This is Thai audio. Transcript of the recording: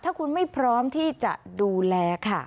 ถ้าคุณไม่พร้อมที่จะดูแลค่ะ